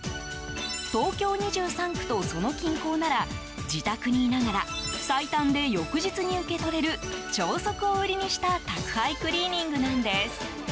東京２３区とその近郊なら自宅にいながら最短で翌日に受け取れる超速を売りにした宅配クリーニングなんです。